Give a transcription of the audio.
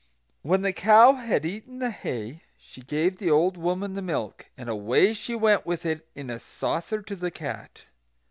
When the cow had eaten the hay, she gave the old woman the milk; and away she went with it in a saucer to the cat.